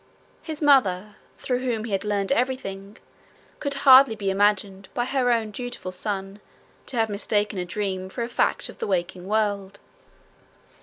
His mother, through whom he had learned everything, could hardly be imagined by her own dutiful son to have mistaken a dream for a fact of the waking world.